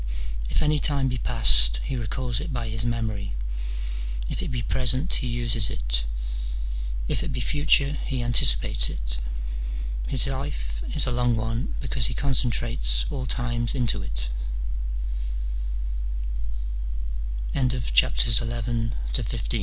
If any time be past, he recals it by his memory ; if it be present, he uses it ; if it be future, he anticipates it : his life is a long one because he concentrates all times i